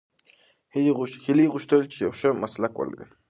هیلې غوښتل چې یو ښه مسلک ولري.